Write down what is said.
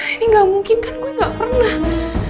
ini gak mungkin kan gue gak pernah